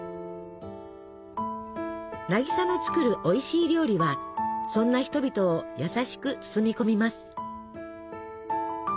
渚の作るおいしい料理はそんな人々を優しく包み込みます。